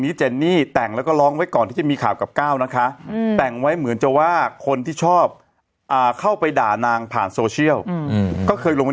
อืมแต่งไว้เหมือนจะว่าคนที่ชอบเข้าไปด่านางผ่าอืมก็เคยลงไป